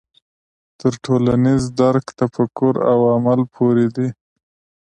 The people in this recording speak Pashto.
تر ټولنیز درک تفکر او عمل پورې دی.